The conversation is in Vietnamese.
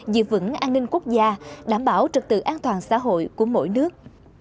giữ vững an ninh quốc gia đảm bảo trật tự an toàn xã hội của mỗi nước